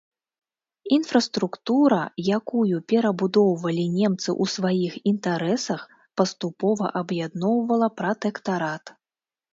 Інфраструктура, якую перабудоўвалі немцы ў сваіх інтарэсах, паступова аб'ядноўвала пратэктарат.